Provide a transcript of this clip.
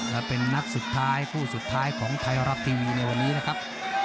และเป็นนัดสุดท้ายคู่สุดท้ายของไทยรัฐทีวีในวันนี้นะครับ